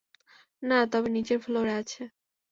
না, তবে নিচের ফ্লোরে আছে।